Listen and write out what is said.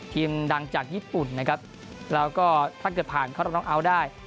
ดังจากญี่ปุ่นนะครับแล้วก็ถ้าเกิดผ่านเข้ารอบน้องเอาท์ได้